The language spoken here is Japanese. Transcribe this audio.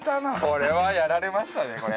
これはやられましたねこれ。